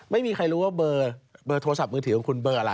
ไม่มีใครรู้ว่าเบอร์โทรศัพท์มือถือของคุณเบอร์อะไร